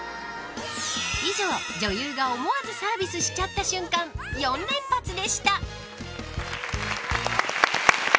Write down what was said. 以上、女優が思わずサービスしちゃった瞬間４連発でした！